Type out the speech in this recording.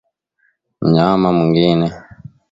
mnyama mwingine